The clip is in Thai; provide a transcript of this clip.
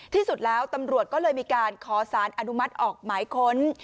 ที่สุดแล้วตำรวจก็เลยมีการขอสารอนุมัติออกหมายค้น